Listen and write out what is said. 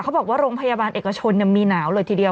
บอกว่าโรงพยาบาลเอกชนมีหนาวเลยทีเดียว